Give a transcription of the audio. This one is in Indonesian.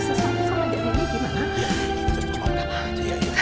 saya tahu tergigit sama kandang dia